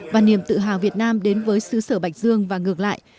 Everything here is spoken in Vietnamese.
và niềm tự hào việt nam đến với xứ sở bạch dương và ngược lại